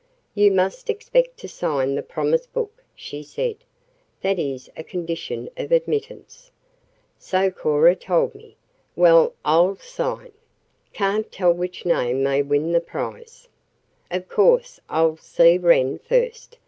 "You must expect to sign the promise book," she said. "That is a condition of admittance." "So Cora told me. Well, I'll sign. Can't tell which name may win the prize." "Of course I'll see Wren first.